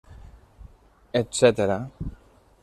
Etcètera.